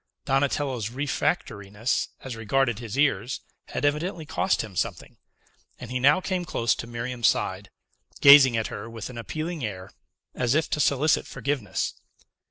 Donatello's refractoriness as regarded his ears had evidently cost him something, and he now came close to Miriam's side, gazing at her with an appealing air, as if to solicit forgiveness.